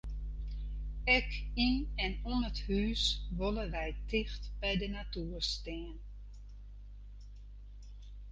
Ek yn en om it hús wolle wy ticht by de natoer stean.